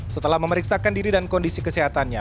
setelah memeriksakan diri dan kondisi kesehatannya